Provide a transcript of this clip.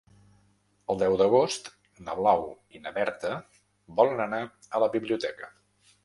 El deu d'agost na Blau i na Berta volen anar a la biblioteca.